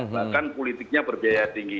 bahkan politiknya berbiaya tinggi